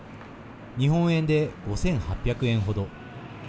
日本円で５８００円程。